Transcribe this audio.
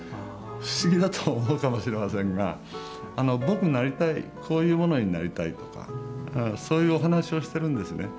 不思議だと思うかもしれませんが僕こういうものになりたいとかそういうお話をしてるんですね。